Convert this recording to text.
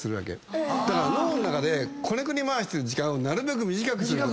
脳の中でこねくり回してる時間をなるべく短くする。